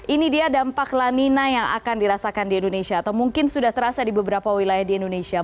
ini dia dampak lanina yang akan dirasakan di indonesia atau mungkin sudah terasa di beberapa wilayah di indonesia